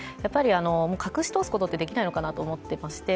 隠し通すことはできないのかなと思っていまして